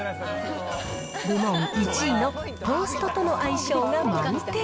部門１位のトーストとの相性が満点。